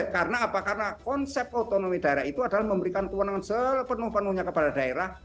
karena apa karena konsep otonomi daerah itu adalah memberikan kewenangan sepenuh penuhnya kepada daerah